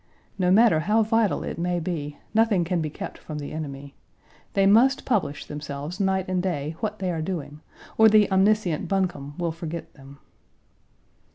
No matter how vital it may be, nothing can be kept from the enemy. They must publish themselves, night and day, what they are doing, or the omniscient Buncombe will forget them.